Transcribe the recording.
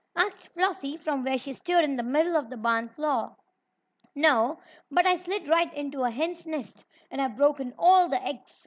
asked Flossie from where she stood in the middle of the barn floor. "No, but I slid right into a hen's nest, and I've broken all the eggs!"